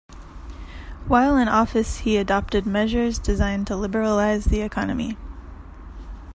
While in office he adopted measures designed to liberalize the economy.